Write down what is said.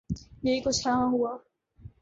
یہی کچھ یہاں ہوا۔